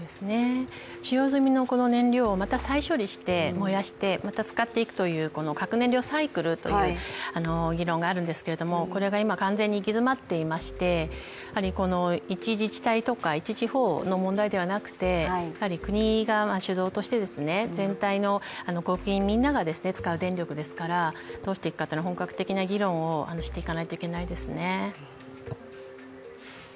使用済みの燃料をまた再処理して燃やしてまた使っていくという核燃料サイクルという議論があるんですけれどもこれが今、完全に行き詰まっていまして、一自治体とかの問題ではなくて、やはり国が主導として、全体の国民みんなが使う電力ですからどうしていくかというのは本格的な議論をしていかないといけないですね